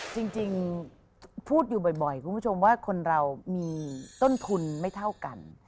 จริงพูดอยู่บ่อยคุณผู้ชมว่าคนเรามีต้นทุนไม่เท่ากัน